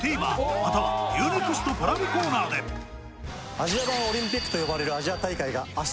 アジア版オリンピックと呼ばれるアジア大会が明日